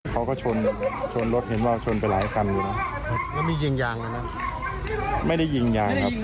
เขาก็ชนชนรถเห็นว่าชนไปหลายกรรมอยู่นะ